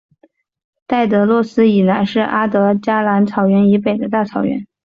戴德洛斯以南是阿德加蓝草原以北的大草原。